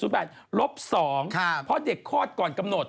เพราะเด็กคลอดก่อนกำหนด